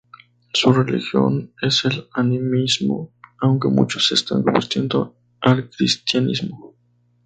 Su religión es el animismo, aunque muchos se están convirtiendo al cristianismo.